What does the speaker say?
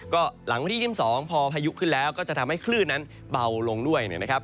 ก็หลังวันที่๒๒พอพายุขึ้นแล้วก็จะทำให้คลื่นนั้นเบาลงด้วยนะครับ